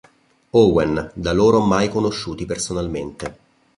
Owen, da loro mai conosciuti personalmente.